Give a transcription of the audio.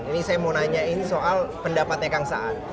ini saya mau nanyain soal pendapatnya kang saan